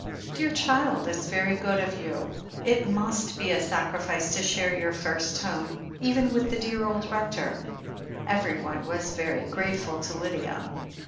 "Dear child, it's very good of you — it must be a sacrifice to share your first home, even with the dear old Rector " Everyone was very grateful to Lydia.